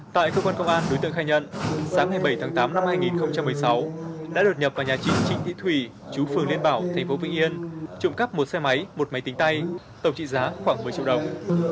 tại cơ quan công an đối tượng khai nhận sáng ngày bảy tháng tám năm hai nghìn một mươi sáu đã đột nhập vào nhà chị trịnh thị thủy chú phường liên bảo tp vĩnh yên trộm cắp một xe máy một máy tính tay tổng trị giá khoảng một mươi triệu đồng